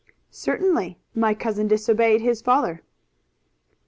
"Certainly. My cousin disobeyed his father."